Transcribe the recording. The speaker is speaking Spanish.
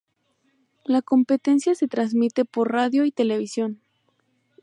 La competencia se transmite por radio y televisión.